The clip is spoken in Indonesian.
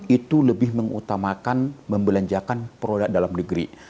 itu lebih mengutamakan membelanjakan produk dalam negeri